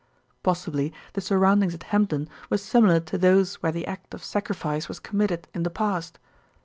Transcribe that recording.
Possibly the surroundings at Hempdon were similar to those where the act of sacrifice was committed in the past.